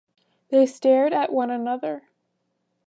They stared at one another.